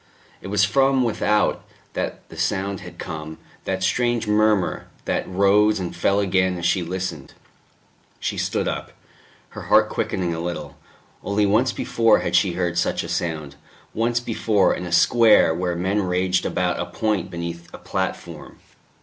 It was from without that the sound had come, that strange murmur, that rose and fell again as she listened. She stood up, her heart quickening a little only once before had she heard such a sound, once before, in a square, where men raged about a point beneath a platform....